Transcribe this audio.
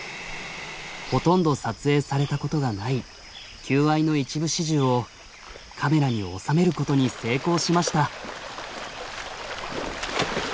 ほとんど撮影されたことがない求愛の一部始終をカメラに収めることに成功しました。